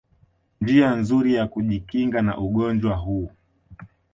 njia nzuri ya kujikinga na ugonjwa huu